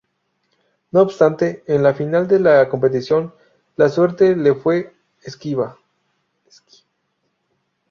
No obstante en la final de la competición, la suerte le fue esquiva.